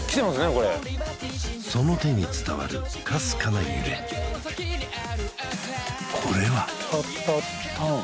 これその手に伝わるかすかな揺れこれは？